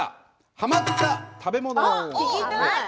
はまった食べ物。